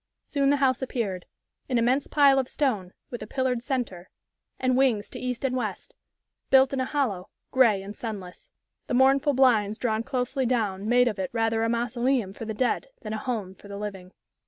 Soon the house appeared an immense pile of stone, with a pillared centre, and wings to east and west, built in a hollow, gray and sunless. The mournful blinds drawn closely down made of it rather a mausoleum for the dead than a home for the living.